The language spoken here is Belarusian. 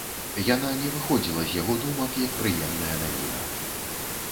Яна не выходзіла з яго думак, як прыемная навіна.